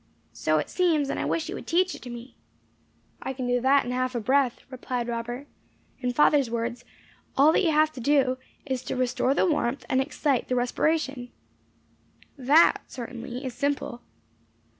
"So it seems, and I wish you would teach it to me." "I can do that in half a breath," replied Robert. "In father's words, all that you have to do, is to restore the warmth and excite the respiration." "That, certainly, is simple."